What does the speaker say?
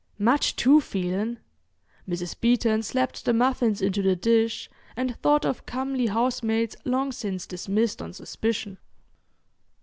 "Much too feelin'!" Mrs. Beeton slapped the muffins into the dish, and thought of comely housemaids long since dismissed on suspicion.